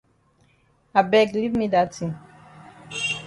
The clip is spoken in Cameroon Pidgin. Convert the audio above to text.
I beg leave me dat tin.